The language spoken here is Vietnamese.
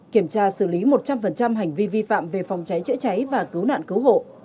kiểm tra xử lý một trăm linh hành vi vi phạm về phòng cháy chữa cháy và cứu nạn cứu hộ